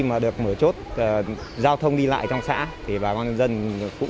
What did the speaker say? với tổng số hơn hai mươi hai công nhân